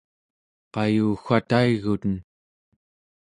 qayuwa taiguten